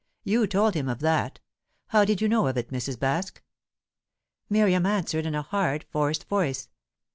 You told him of that. How did you know of it, Mrs. Baske?" Miriam answered in a hard, forced voice.